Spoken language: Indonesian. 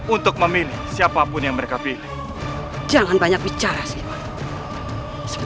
untuk saya ini adalah kegantianmu